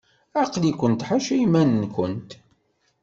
Aql-ikent ḥaca iman-nkent.